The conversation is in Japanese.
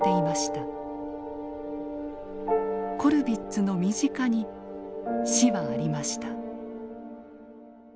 コルヴィッツの身近に死はありました。